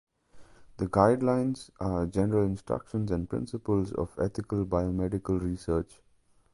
The Guidelines are general instructions and principles of ethical biomedical research.